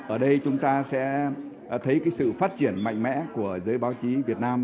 ở đây chúng ta sẽ thấy cái sự phát triển mạnh mẽ của giới báo chí việt nam